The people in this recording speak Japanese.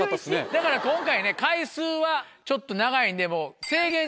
だから今回ね回数はちょっと長いんでもう。